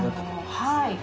はい。